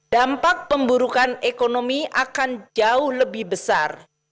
dampak pemburukan ekonomi akan jauh lebih besar